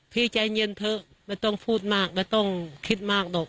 พี่ใจเย็นเถอะไม่ต้องพูดมากไม่ต้องคิดมากหรอก